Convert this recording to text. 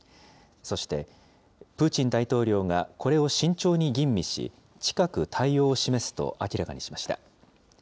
そして、プーチン大統領がこれを慎重に吟味し、近く対応を示すと明らかにしました。